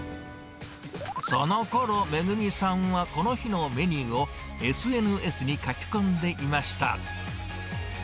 そのころ、恵美さんは、この日のメニューをＳＮＳに書き込んでいました。